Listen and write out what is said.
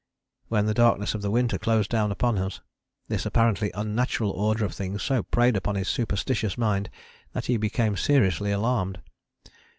When the darkness of the winter closed down upon us, this apparently unnatural order of things so preyed upon his superstitious mind that he became seriously alarmed.